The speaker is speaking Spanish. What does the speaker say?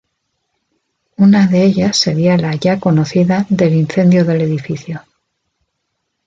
Una de ellas sería la ya conocida del incendio del edificio.